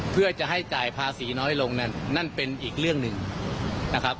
เพื่อจะให้จ่ายภาษีน้อยลงนั่นนั่นเป็นอีกเรื่องหนึ่งนะครับ